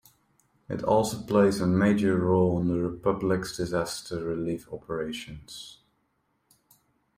It also plays a major role in the Republic's disaster relief operations.